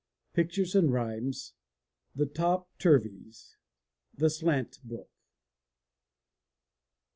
Pictures and Rhymes. The Top Turveys. The Slant Book.